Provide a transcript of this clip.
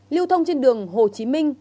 lưu thông trên đường hồ chí minh